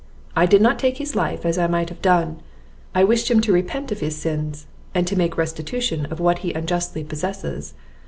I did not take his life, as I might have done; I wished him to repent of his sins, and to make restitution of what he unjustly possesses.